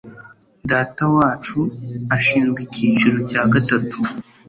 Datawacu ashinzwe icyiciro cya gatatu.